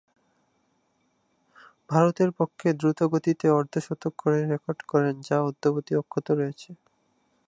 ভারতের পক্ষে দ্রুতগতিতে অর্ধ-শতক করে রেকর্ড গড়েন যা অদ্যাবধি অক্ষত রয়েছে।